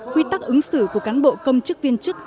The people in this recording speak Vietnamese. quy tắc ứng xử của cán bộ công chức viên chức